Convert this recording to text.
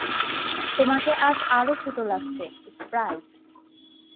তোমাকে আজ আরও ছোট লাগছে, স্প্রাইট।